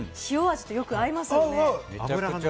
塩味と合いますよね。